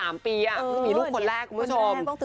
โอ้ยปากแรงแจเลยลอมัสสว่างไป